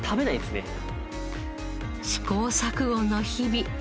試行錯誤の日々。